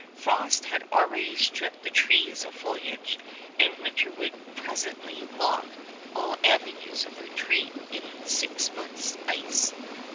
Frosts had already stripped the trees of foliage, and winter would presently lock all avenues of retreat in six months' ice.